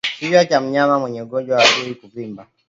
Kichwa cha mnyama mwenye ugonjwa wa ndui huvimba